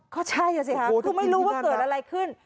ก็ใช่อ่ะสิคะคือไม่รู้ว่าเกิดอะไรขึ้น